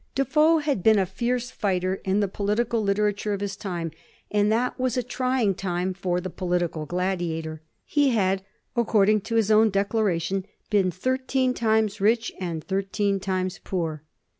Defoe had been VOL. II. — 1 a A HISTORY OF THE FOUR GEORGEa ch.zzi. a fierce figbter in the political literature of his time, and that was a trying time for the political gladiator. He had, according to his own declaration, been thirteen times rich and thirteen times poor.